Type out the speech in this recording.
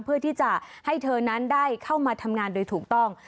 เพื่อที่จะให้เธอนั้นได้เข้ามาทำงานโดยถูกต้อง